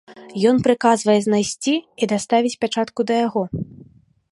Ён прыказвае знайсці і даставіць пячатку да яго.